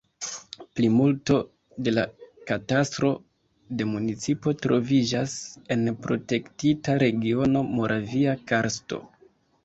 Plimulto de la katastro de municipo troviĝas en protektita regiono Moravia karsto.